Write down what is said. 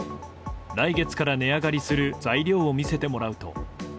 来月から値上がりする材料を見せてもらうと。